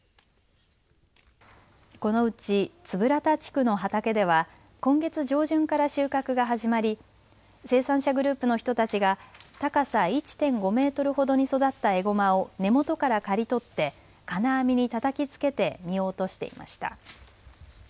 このうち円良田地区の畑では今月上旬から収穫が始まり生産者グループの人たちが高さ１．５メートルほどに育ったエゴマを根元から刈り取って金網にたたきつけて実を落としていました。